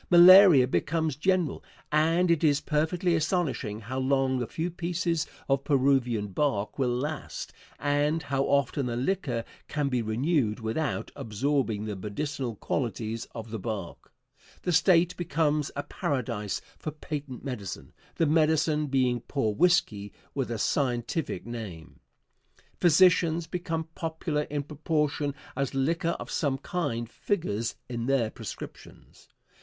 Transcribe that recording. Malaria becomes general, and it is perfectly astonishing how long a few pieces of Peruvian bark will last, and how often the liquor can be renewed without absorbing the medicinal qualities of the bark. The State becomes a paradise for patent medicine the medicine being poor whiskey with a scientific name. Physicians become popular in proportion as liquor of some kind figures in their prescriptions.